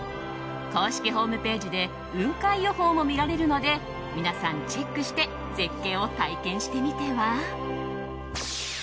公式ホームページで雲海予報も見られるので皆さんチェックして絶景を体験してみては？